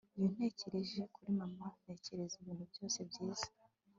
iyo ntekereje kuri mama, ntekereza ibintu byose byiza